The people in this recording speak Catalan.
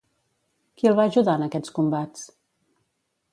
Qui el va ajudar en aquests combats?